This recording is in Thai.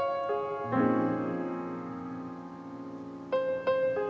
สวัสดีครับน้องเล่จากจังหวัดพิจิตรครับ